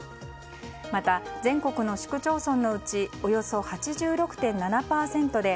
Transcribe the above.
また、全国の市区町村のうちおよそ８６．７％で